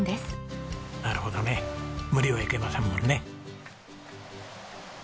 なるほどね無理はいけませんもんね。